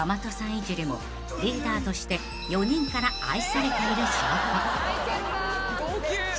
いじりもリーダーとして４人から愛されている証拠］